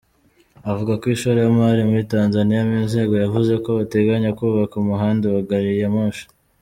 Avuga ku ishoramari muri Tanzania, Mizengo yavuze ko bateganya kubaka umuhanda wa gariyamoshi .